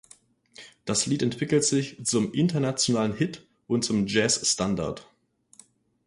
Das Lied entwickelte sich zum internationalen Hit und zum Jazzstandard.